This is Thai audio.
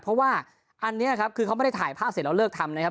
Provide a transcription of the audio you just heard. เพราะว่าอันนี้ครับคือเขาไม่ได้ถ่ายภาพเสร็จเราเลิกทำนะครับ